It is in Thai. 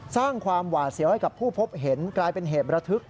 สร้างความหวาดเสียวให้กับผู้พบเห็นกลายเป็นเหตุระทึก